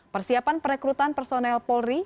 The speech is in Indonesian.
persiapan perekrutan personel polri